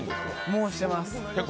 もうしてます。